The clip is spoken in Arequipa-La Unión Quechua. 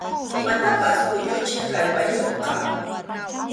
Imatapas kuyuchiq kallpayuqqa.